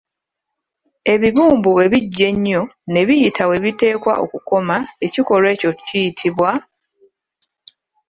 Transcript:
Ebibumbu bwe biggya ennyo ne biyita we biteekwa okukoma ekikolwa ekyo kiyitibwa?